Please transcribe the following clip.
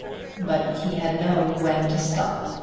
But he had known when to stop.